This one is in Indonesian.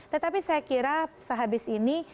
tetapi saya kira sehabis ini